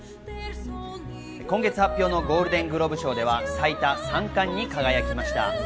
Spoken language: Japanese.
今月発表のゴールデングローブ賞では、最多３冠に輝きました。